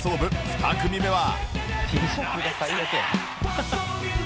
２組目は